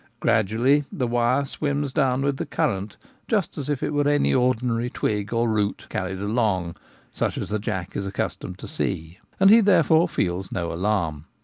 133 Gradually the wire swims down with the current, just as if it were any ordinary twig or root carried along, such as the jack is accustomed to see, and he therefore feels no alarm.